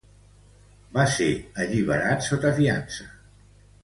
Va ser alliberat sota fiança.